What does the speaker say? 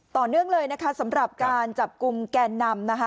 ต่อเนื่องเลยนะคะสำหรับการจับกลุ่มแกนนำนะคะ